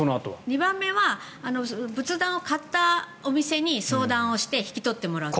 ２番目は仏壇を買ったお店に相談して引き取ってもらう。